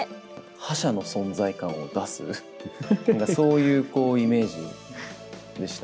覇者の存在感を出す、そういうこうイメージでした。